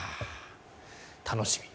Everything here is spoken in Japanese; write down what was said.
楽しみ。